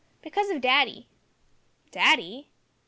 "Because of daddy." "Daddy?"